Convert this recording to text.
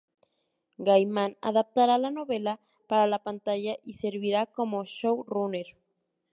Gaiman adaptará la novela para la pantalla y servirá como showrunner.